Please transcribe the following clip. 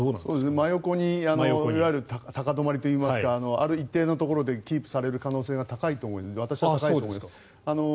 真横にいわゆる高止まりといいますかある一定のところでキープされる可能性が高いと思います。